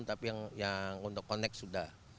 tapi yang untuk connect sudah